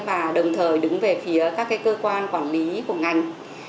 và đồng thời đứng về phía các cơ quan quản lý của ngành